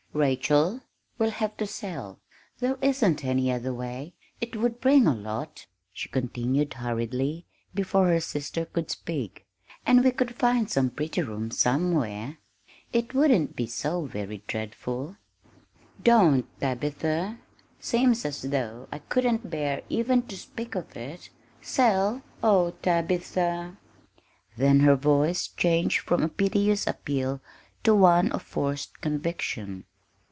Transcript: "Rachel, we'll have to sell there isn't any other way. It would bring a lot," she continued hurriedly, before her sister could speak, "and we could find some pretty rooms somewhere. It wouldn't be so very dreadful!" "Don't, Tabitha! Seems as though I couldn't bear even to speak of it. Sell? oh, Tabitha!" Then her voice changed from a piteous appeal to one of forced conviction.